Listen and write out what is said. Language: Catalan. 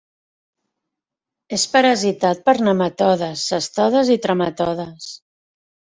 És parasitat per nematodes, cestodes i trematodes.